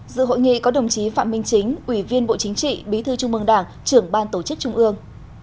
dự hội nghị có đồng chí phạm minh chính ủy viên bộ chính trị bí thư trung mương đảng trưởng ban tổ chức trung ương